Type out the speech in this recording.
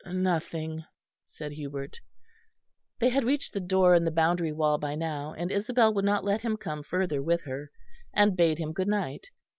"Nothing," said Hubert. They had reached the door in the boundary wall by now, and Isabel would not let him come further with her and bade him good night.